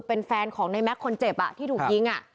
เป็นแฟนของในแม็กซ์คนเจ็บที่ถูกยิง